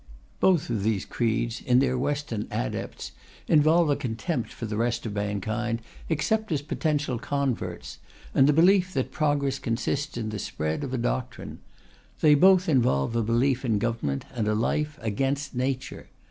Both these creeds, in their Western adepts, involve a contempt for the rest of mankind except as potential converts, and the belief that progress consists in the spread of a doctrine. They both involve a belief in government and a life against Nature.